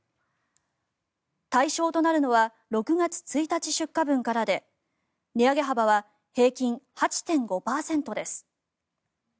対象となるのは６月１日出荷分からで値上げ幅は平均８．５％です。